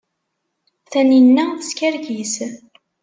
Taninna teskerkis.